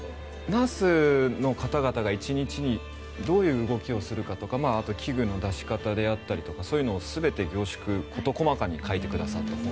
ナースの方々が１日にどういう動きをするかとかあと器具の出し方であったりそういうのを全て凝縮事細かに書いてくださっていて。